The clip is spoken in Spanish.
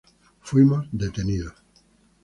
Fuimos detenidos.